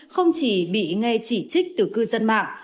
không chỉ bị nghe chỉ trích từ cư dân mạng